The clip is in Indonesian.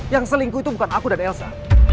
yang selingkuh itu bukan aku dan elsa